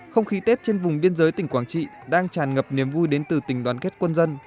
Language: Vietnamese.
không khí tết trên vùng biên giới tỉnh quảng trị đang tràn ngập niềm vui đến từ tỉnh đoàn kết quân dân